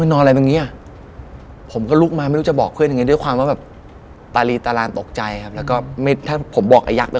ผมก็นอนอะไรแบบนี้อ่ะผมก็หลุกมาไม่รู้จะบอกเพื่อนเงี่ยด้วยความว่าแบบ